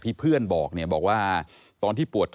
พ่อพูดว่าพ่อพูดว่าพ่อพูดว่า